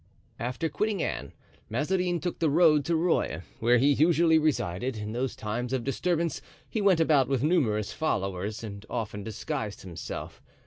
After quitting Anne, Mazarin took the road to Rueil, where he usually resided; in those times of disturbance he went about with numerous followers and often disguised himself.